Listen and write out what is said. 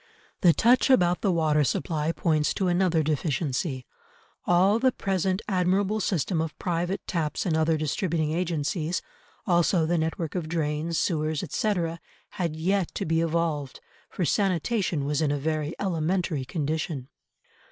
The touch about the water supply points to another deficiency; all the present admirable system of private taps and other distributing agencies, also the network of drains, sewers, etc., had yet to be evolved, for sanitation was in a very elementary condition.